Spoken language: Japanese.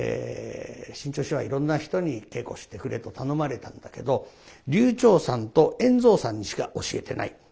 志ん朝師匠はいろんな人に稽古をしてくれと頼まれたんだけど柳朝さんと圓蔵さんにしか教えてない。